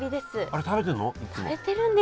あれ食べてるの？